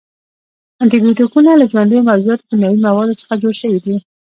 انټي بیوټیکونه له ژوندیو موجوداتو، کیمیاوي موادو څخه جوړ شوي دي.